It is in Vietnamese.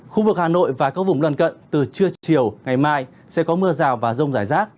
khu vực hà nội và các vùng lân cận từ trưa chiều ngày mai sẽ có mưa rào và rông rải rác